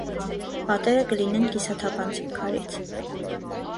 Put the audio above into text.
Պատերը կլինեն կիսաթափանցիկ քարից։